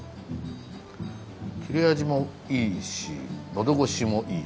切れ味もいいし喉越しもいい。